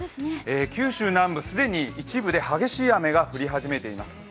九州南部、既に一部で激しい雨が降り始めています。